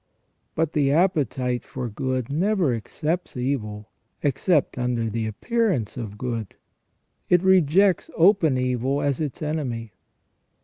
But the appetite for good never accepts evil, except under the appearance of good ; it rejects open evil as its enemy.